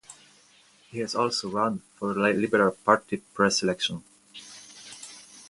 He has also run for Liberal Party preselection.